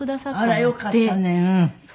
あらよかったね。